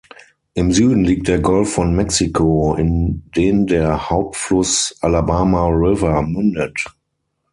Im Süden liegt der Golf von Mexiko, in den der Hauptfluss Alabama River mündet.